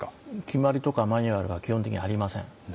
決まりとかマニュアルは基本的にありません。